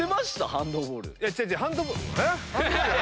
ハンドボール。